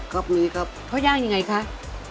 ครับมีครับเขาย่างยังไงคะ